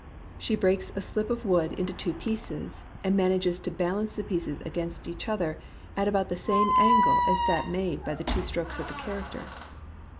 She breaks a slip of wood in two pieces, and man ages to balance the pieces against each other at about the same angle as that made by the two strokes of the character.